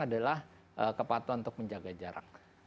adalah kepatuhan untuk menjaga jarak